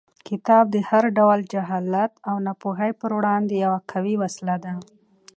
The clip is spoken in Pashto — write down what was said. کتاب د هر ډول جهالت او ناپوهۍ پر وړاندې یوه قوي وسله ده.